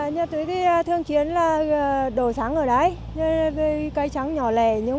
nhà tôi đi thương chiến là đồ xăng ở đấy cây xăng nhỏ lẻ